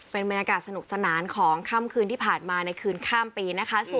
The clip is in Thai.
เป็นบรรยากาศสนุกสนานของค่ำคืนที่ผ่านมาในคืนข้ามปีนะคะ